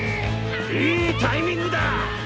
いいタイミングだ。